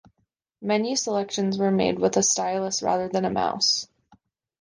Menu selections were made with a stylus rather than a mouse.